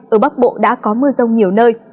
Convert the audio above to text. ở bắc bộ đã có mưa rông nhiều nơi